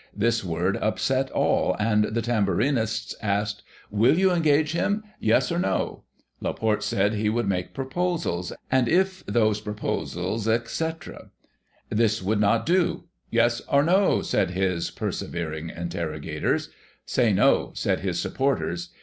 This word upset all, and the Tamburinists asked :" Will you engage him .? Yes, or No ?" Laporte said he would make proposals, and, if those proposals, etc This would not do ;" Yes, or No ^" said his persevering interrogators. " Say ' No,' " said his sup porters.